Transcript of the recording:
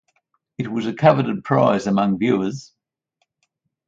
It was a coveted prize among viewers.